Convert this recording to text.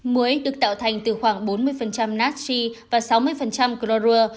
muối được tạo thành từ khoảng bốn mươi natri và sáu mươi chlorura